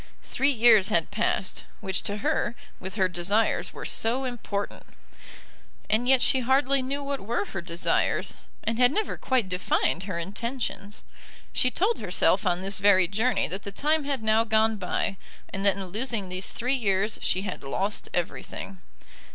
Three years had passed, which to her, with her desires, were so important. And yet she hardly knew what were her desires, and had never quite defined her intentions. She told herself on this very journey that the time had now gone by, and that in losing these three years she had lost everything.